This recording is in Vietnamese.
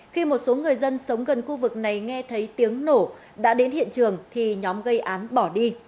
khi một số người dân sống gần khu vực này nghe thấy tiếng nổ đã đến hiện trường thì nhóm gây án bỏ đi